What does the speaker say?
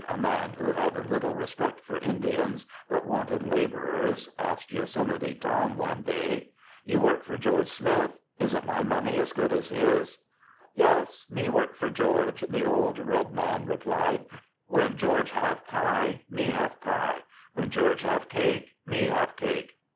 a man who had little respect for Indians, but wanted laborers, asked Yosemite Tom one day. "You work for George Smith. Isn't my money as good as his?" "Yes, me work for George," the old red man re plied; "when George have pie, me have pie; when George have cake, me have cake.